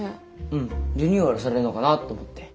うんリニューアルされるのかなと思って。